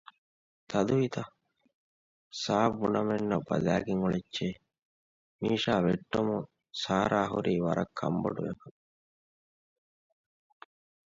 ތަދުވިތަ؟ ސާ ބުނަމެއްނު ބަލައިގެން އުޅެއްޗޭ! މީޝާ ވެއްޓުމުން ސާރާ ހުރީ ވަރަށް ކަންބޮޑުވެފަ